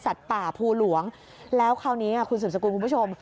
สัตว์ป่าผู้หลวงแล้วคราวนี้คุณสุทธิ์สกุลคุณผู้ชม